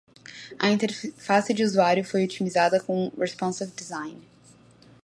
A interface de usuário foi otimizada com Responsive Design.